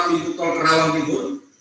pintu tol rawang timur